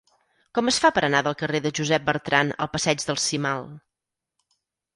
Com es fa per anar del carrer de Josep Bertrand al passeig del Cimal?